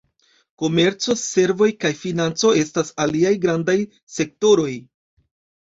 Komerco, servoj kaj financo estas aliaj grandaj sektoroj.